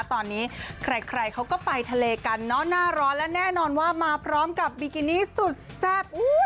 ตอนนี้ใครเขาก็ไปทะเลกันเนอะหน้าร้อนและแน่นอนว่ามาพร้อมกับบิกินี่สุดแซ่บ